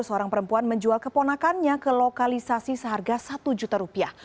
seorang perempuan menjual keponakannya ke lokalisasi seharga satu juta rupiah